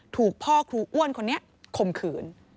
ถูกพ่อครูอ้วนคนนี้ข่มขืน